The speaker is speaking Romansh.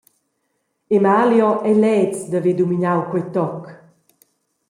Emalio ei leds da haver dumignau quei toc.